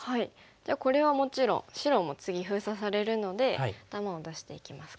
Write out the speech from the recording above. じゃあこれはもちろん白も次封鎖されるので頭を出していきますか。